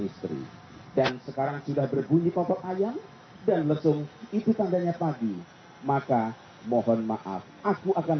istri dan sekarang sudah berbunyi potong ayam dan lesung itu tandanya padi maka mohon maaf aku akan